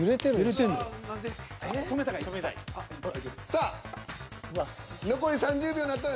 さあ残り３０秒なったら。